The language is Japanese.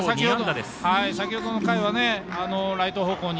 先ほどの回はライト方向に。